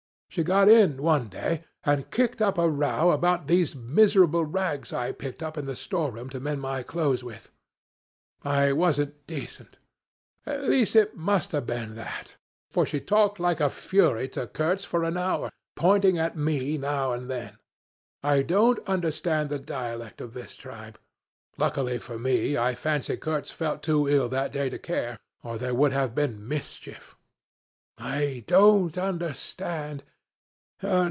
She got in one day and kicked up a row about those miserable rags I picked up in the storeroom to mend my clothes with. I wasn't decent. At least it must have been that, for she talked like a fury to Kurtz for an hour, pointing at me now and then. I don't understand the dialect of this tribe. Luckily for me, I fancy Kurtz felt too ill that day to care, or there would have been mischief. I don't understand.